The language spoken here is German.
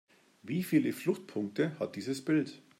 Wie viele Fluchtpunkte hat dieses Bild?